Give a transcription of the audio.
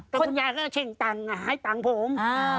แต่คุณยายก็เช่นต่างให้ต่างผม